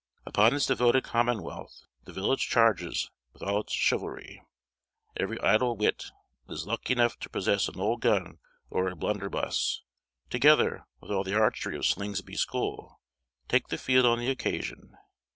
Upon this devoted commonwealth the village charges "with all its chivalry." Every idle wight that is lucky enough to possess an old gun or a blunderbuss, together with all the archery of Slingsby's school, take the field on the occasion.